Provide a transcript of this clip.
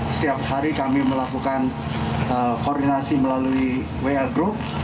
setiap hari kami melakukan koordinasi melalui wa group